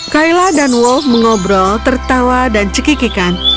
kayla dan wolf mengobrol tertawa dan cekikikan